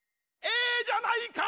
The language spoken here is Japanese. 「ええじゃないか」